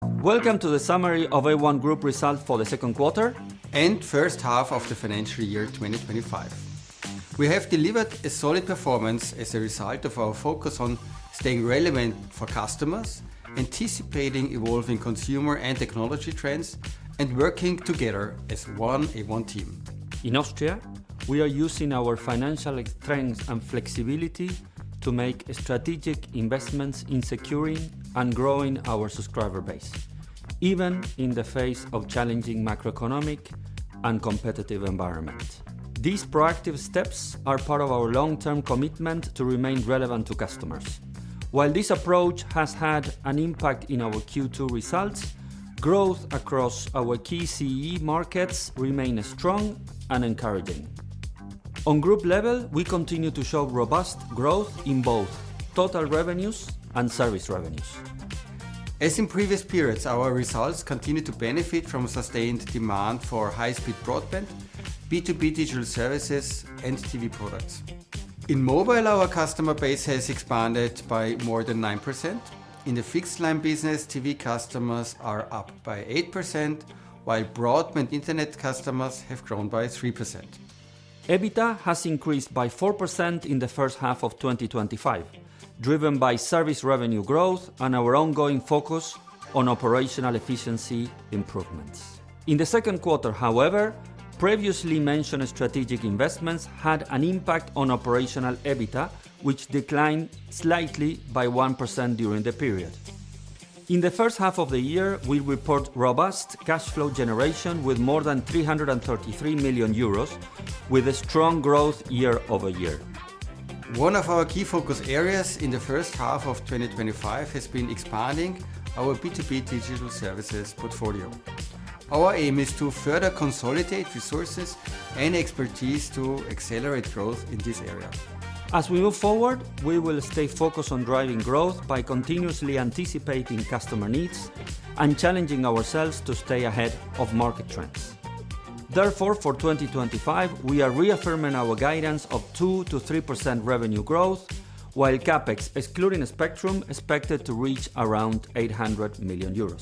Welcome to the summary of a one group result for the second quarter and first half of the financial year 2025. We have delivered a solid performance as a result of our focus on staying relevant for customers, anticipating evolving consumer and technology trends and working together as one in one team. In Austria, we are using our financial strength and flexibility to make strategic investments in securing and growing our subscriber base, even in the face of challenging macroeconomic and competitive environment. These proactive steps are part of our long term commitment to remain relevant to customers. While this approach has had an impact in our Q2 results, growth across our key CE markets remain strong and encouraging. On group level, we continue to show robust growth in both total revenues and service revenues. As in previous periods, our results continue to benefit from sustained demand for high speed broadband, b to b digital services and TV products. In mobile, our customer base has expanded by more than 9%. In the fixed line business, TV customers are up by 8%, while broadband Internet customers have grown by 3%. EBITDA has increased by 4% in the first half of twenty twenty five, driven by service revenue growth and our ongoing focus on operational efficiency improvements. In the second quarter, however, previously mentioned strategic investments had an impact on operational EBITA, which declined slightly by 1% during the period. In the first half of the year, we report robust cash flow generation with more than €333,000,000 with a strong growth year over year. One of our key focus areas in the 2025 has been expanding our B2B digital services portfolio. Our aim is to further consolidate resources and expertise to accelerate growth in this area. As we move forward, we will stay focused on driving growth by continuously anticipating customer needs and challenging ourselves to stay ahead of market trends. Therefore, for 2025, we are reaffirming our guidance of 2% to three percent revenue growth, while CapEx, excluding spectrum, expected to reach around €800,000,000